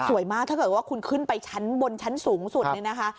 มากถ้าเกิดว่าคุณขึ้นไปชั้นบนชั้นสูงสุดเนี่ยนะคะ